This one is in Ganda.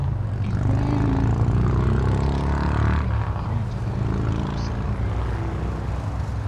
Enkula ya muwogo emirandira gye gifuuka emmere era gyagala nnyo okusanga nga wagonda.